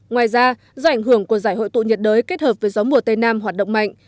ngoài ra do ảnh hưởng của giải hội tụ nhiệt đới kết hợp với gió mùa tây nam hoạt động mạnh